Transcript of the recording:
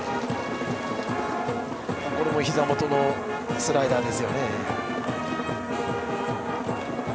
これもひざ元のスライダーですよね。